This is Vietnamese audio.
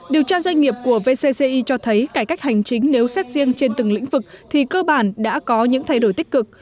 điều tra doanh nghiệp của vcci cho thấy cải cách hành chính nếu xét riêng trên từng lĩnh vực thì cơ bản đã có những thay đổi tích cực